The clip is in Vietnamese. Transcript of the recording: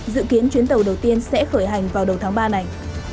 dự kiến chuyến tàu đầu tiên sẽ khởi hành vào đầu tháng ba này